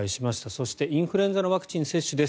そしてインフルエンザのワクチン接種。